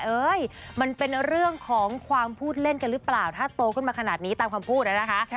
เอ้ยมันเป็นเรื่องของความพูดเล่นกันหรือเปล่าถ้าโตขึ้นมาขนาดนี้ตามคำพูดนะคะ